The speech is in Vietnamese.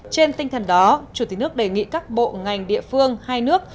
trên tinh thần đó chủ tịch nước đề nghị các bộ ngành địa phương hai nước